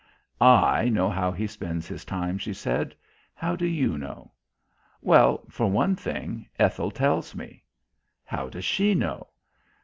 "I know how he spends his time," she said. "How do you know?" "Well, for one thing, Ethel tells me." "How does she know?"